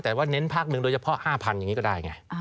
แต่ว่าเน้นพักหนึ่งโดยเฉพาะ๕๐๐อย่างนี้ก็ได้ไง